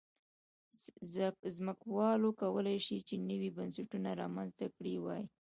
ځمکوالو کولای شول چې نوي بنسټونه رامنځته کړي وای.